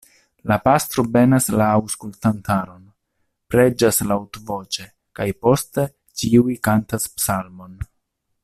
La pastro benas la aŭskultantaron, preĝas laŭtvoĉe, kaj poste ĉiuj kantas psalmon.